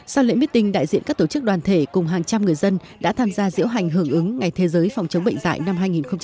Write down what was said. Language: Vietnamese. sau lễ meeting đại diện các tổ chức đoàn thể cùng hàng trăm người dân đã tham gia diễu hành hưởng ứng ngày thế giới phòng chống bệnh dạy năm hai nghìn một mươi chín